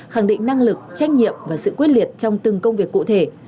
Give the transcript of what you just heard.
khẳng định năng lực trách nhiệm và sự quyết liệt trong từng công việc cụ thể